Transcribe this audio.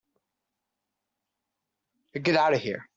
Get out of here.